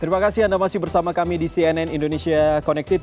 terima kasih anda masih bersama kami di cnn indonesia connected